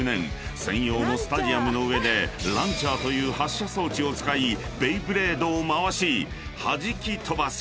［専用のスタジアムの上でランチャーという発射装置を使いベイブレードを回しはじき飛ばす］